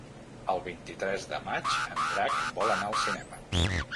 El vint-i-tres de maig en Drac vol anar al cinema.